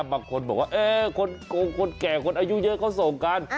บางคนบอกว่าคนโกงคนแก่คนอายุเยอะเขาส่งกัน